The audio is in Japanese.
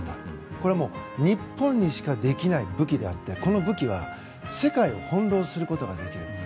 これはもう日本にしかできない武器であってこの武器は世界を翻弄することができる。